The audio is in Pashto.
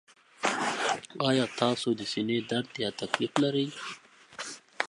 ایا تاسو د سینې درد یا تکلیف لرئ؟